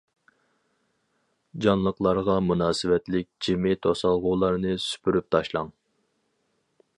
جانلىقلارغا مۇناسىۋەتلىك جىمى توسالغۇلارنى سۈپۈرۈپ تاشلاڭ.